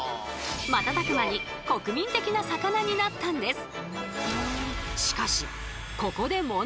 瞬く間に国民的な魚になったんです。